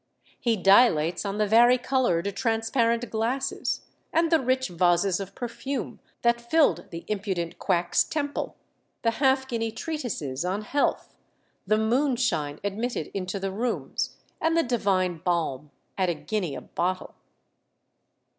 He dilates on the vari coloured transparent glasses, and the rich vases of perfume that filled the impudent quack's temple, the half guinea treatises on health, the moonshine admitted into the rooms, and the divine balm at a guinea a bottle.